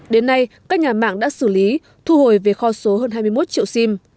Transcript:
đến nay các nhà mạng đã xử lý thu hồi về kho số hơn hai mươi một triệu sim